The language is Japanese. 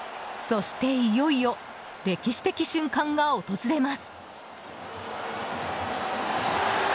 そして、いよいよ歴史的瞬間が訪れます。